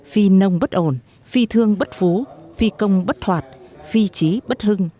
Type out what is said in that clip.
phi nông bất ổn phi thương bất phú phi công bất hoạt phi trí bất hưng